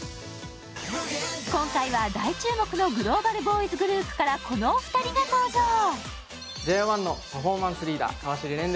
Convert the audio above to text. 今回は大注目のグローバルボーイズグループからこのお二人が登場。